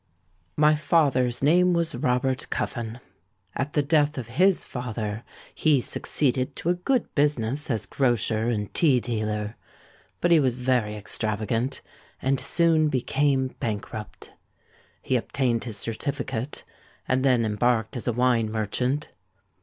My father's name was Robert Cuffin. At the death of his father he succeeded to a good business as grocer and tea dealer; but he was very extravagant, and soon became bankrupt. He obtained his certificate, and then embarked as a wine merchant.